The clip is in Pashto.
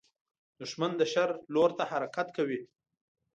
دښمن د شر لور ته حرکت کوي